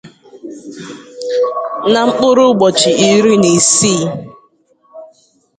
Na mkpụrụ ụbọchị iri na isii